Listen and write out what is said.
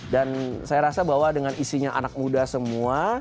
saya rasa bahwa dengan isinya anak muda semua